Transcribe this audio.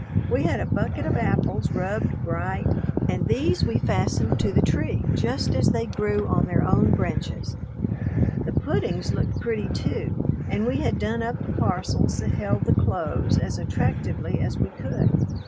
We had a bucket of apples rubbed bright, and these we fastened to the tree just as they grew on their own branches. The puddings looked pretty, too, and we had done up the parcels that held the clothes as attractively as we could.